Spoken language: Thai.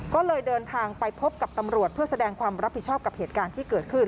ก็เลยเดินทางไปพบกับตำรวจเพื่อแสดงความรับผิดชอบกับเหตุการณ์ที่เกิดขึ้น